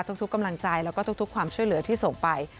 ทุกกำลังใจแล้วก็ทุกความช่วยเหลือที่ส่งไป